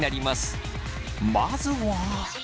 まずは。